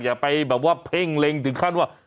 อย่าไปแบบว่าเพ่งเล็งถึงขั้นว่า